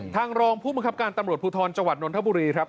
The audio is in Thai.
ทางรองผู้มันคับการตำรวจพูทรจนนทบุรีครับ